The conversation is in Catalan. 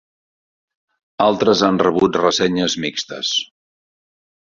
Altres han rebut ressenyes mixtes.